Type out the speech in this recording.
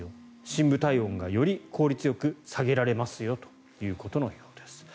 深部体温がより効率よく下げられますよということのようです。